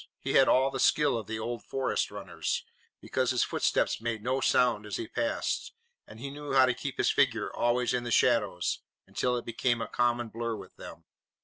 He had all the skill of the old forest runners, because his footsteps made no sound as he passed and he knew how to keep his figure always in the shadows until it became a common blur with them.